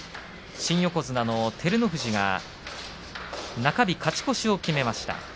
新横綱の照ノ富士中日、勝ち越しを決めました。